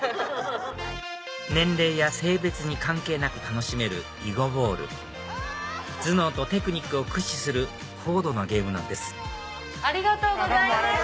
年齢や性別に関係なく楽しめる囲碁ボール頭脳とテクニックを駆使する高度なゲームなんですありがとうございました。